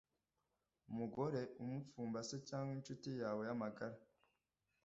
umugore upfumbase cyangwa incuti yawe y’amagara,